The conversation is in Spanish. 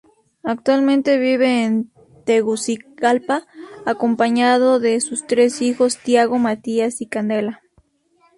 Actualmente vive en Tegucigalpa, acompañado de sus tres hijos, Thiago, Matías y Candela.